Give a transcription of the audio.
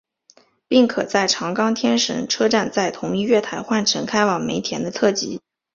并可在长冈天神车站在同一月台换乘开往梅田的特急。